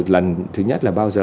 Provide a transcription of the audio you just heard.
lần thứ nhất là bao giờ